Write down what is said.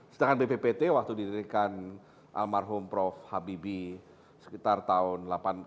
sedangkan bppt waktu didirikan almarhum prof habibie sekitar tahun tujuh puluh delapan delapan puluh